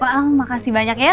pak al makasih banyak ya